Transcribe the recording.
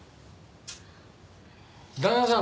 旦那さん